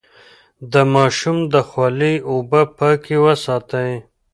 د ماشوم د خولې اوبه پاکې وساتئ.